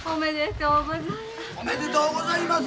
おめでとうございます。